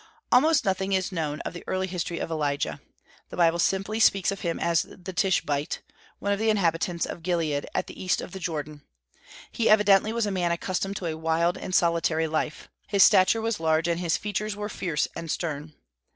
Almost nothing is known of the early history of Elijah. The Bible simply speaks of him as "the Tishbite," one of the inhabitants of Gilead, at the east of the Jordan. He evidently was a man accustomed to a wild and solitary life. His stature was large, and his features were fierce and stern.